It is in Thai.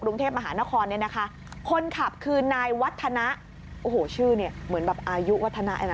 กรุงเทพมหานครเนี่ยนะคะคนขับคือนายวัฒนะโอ้โหชื่อเนี่ยเหมือนแบบอายุวัฒนะ